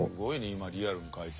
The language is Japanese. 今リアルに描いて。